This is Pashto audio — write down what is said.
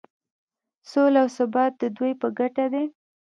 سوله او ثبات د دوی په ګټه دی.